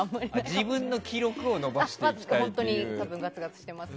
自分の記録を伸ばしたいという。